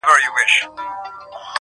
حقیقت واوره تر تا دي سم قربانه,